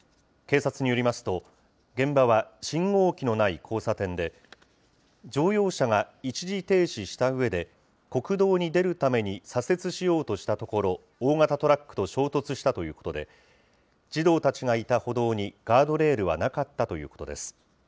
警察によりますと、現場は信号機のない交差点で、乗用車が一時停止したうえで、国道に出るために左折しようとしたところ、大型トラックと衝突したということで、児童たちがいた歩道にガードレールはなかったということです。